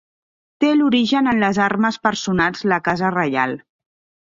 Té l'origen en les armes personals la casa reial.